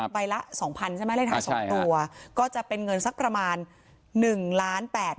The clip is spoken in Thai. ใบละ๒๐๐ใช่ไหมเลขท้าย๒ตัวก็จะเป็นเงินสักประมาณ๑ล้าน๘๐๐๐